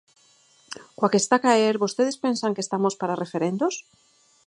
Coa que está a caer, vostedes pensan que estamos para referendos?